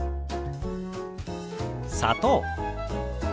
「砂糖」。